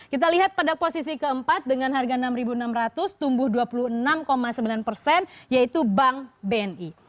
kita lihat pada posisi keempat dengan harga enam enam ratus tumbuh dua puluh enam sembilan persen yaitu bank bni